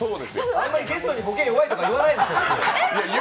あんまりゲストにボケ弱いとか言わないですよ。